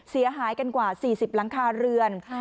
เสียหายกันกว่า๔๐หลังคาเรือน